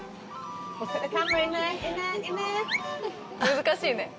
難しいね。